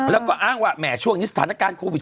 แล้วก็อ้างว่าแหม่ช่วงนี้สถานการณ์โควิด